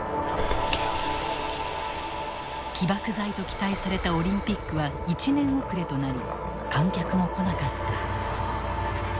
起爆剤と期待されたオリンピックは１年遅れとなり観客も来なかった。